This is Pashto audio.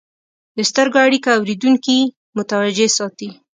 د سترګو اړیکه اورېدونکي متوجه ساتي.